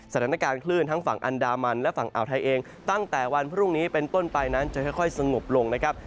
สถานการณ์คลื่นทั้งฝั่งอันดามันและฝั่งอ่าวไทยเองตั้งแต่วันพรุ่งนี้เป็นต้นไปนั้นจะค่อยสงบลงนะครับ